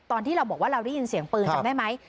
ตอนที่เราบอกว่าเราได้ยินเสียงปืนจำได้ไหม